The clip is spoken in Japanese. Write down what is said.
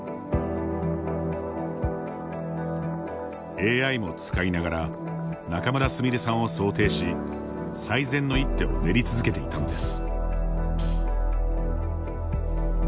ＡＩも使いながら仲邑菫さんを想定し最善の一手を練り続けていたのです。